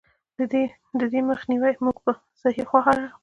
د دې مخ نيوے مونږ پۀ سهي خوراک ،